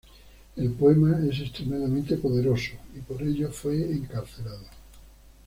El poema es extremadamente poderoso y por ello fue encarcelado.